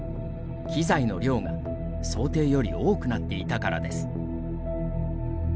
機材の量が想定より多くなっていたからです。